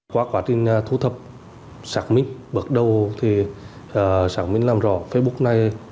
qua quá trình thu thập sạc minh bước đầu thì sạc minh làm rõ facebook này